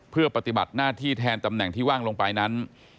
เพื่อปฏิบัติหน้าที่แทนตำแหน่งที่ว่างลงไปนั้น